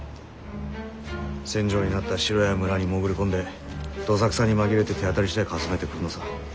戦場になった城や村に潜り込んでどさくさに紛れて手当たりしだいかすめてくるのさ。